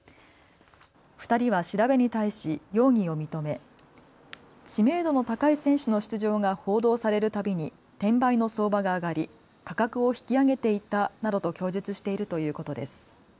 ２人は調べに対し容疑を認め知名度の高い選手の出場が報道されるたびに転売の相場が上がり価格を引き上げていたなどと供述しているということです。